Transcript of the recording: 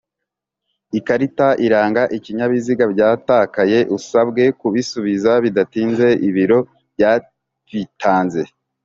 ikarita iranga ikinyabiziga byatakaye usabwe kubisubiza bidatinze ibiro byabitanze.